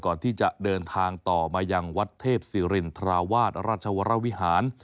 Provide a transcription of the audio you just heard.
ก่อนที่จะเดินทางต่อมายังวัดเทพศิรินทราวาสราชวรวิหาร